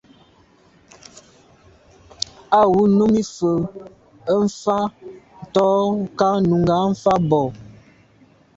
Á wʉ́ Nùmí fə̀ ə́ fáŋ ntɔ́ nkáà Nùgà fáà bɔ̀.